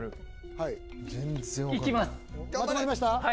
はいまとまりました？